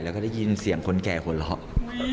แล้วก็ได้ยินเสียงคนแก่หัวเราะ